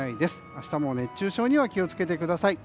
明日も熱中症には気をつけてください。